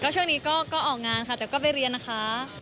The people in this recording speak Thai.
ช่วงนี้ก็ออกงานค่ะแต่ก็ไปเรียนนะคะ